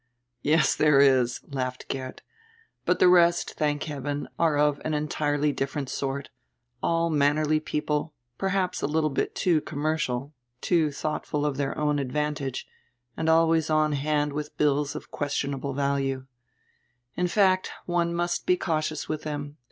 "Yes, there is," laughed Geert, "hut the rest, thank heaven, are of an entirely different sort, all mannerly peo ple, perhaps a little hit too commercial, too thoughtful of their own advantage, and always on hand with hills of ques tionahle value. In fact, one must he cautious with them.